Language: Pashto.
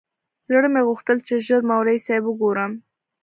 زړه مې غوښتل چې ژر مولوي صاحب وگورم.